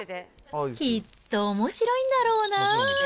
きっとおもしろいんだろうな。